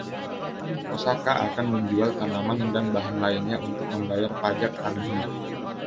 Osaka akan menjual tanaman dan bahan lainnya untuk membayar pajak tanahnya.